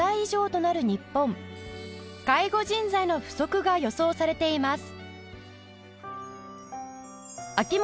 介護人材の不足が予想されています